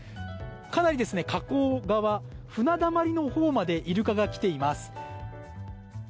かなり河口側船溜まりのほうまでイルカが来ています。